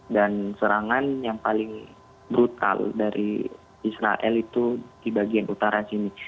dan serangan yang paling brutal dari israel itu di bagian utara sini